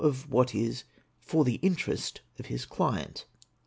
of what is for the interest of his client.